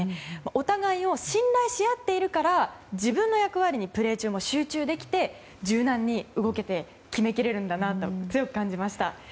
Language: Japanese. お互いを信頼し合っているから自分の役割にプレー中も集中できて柔軟に動けて決めきれるんだなと強く感じました。